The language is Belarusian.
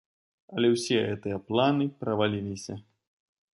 Але ўсе гэтыя планы праваліліся.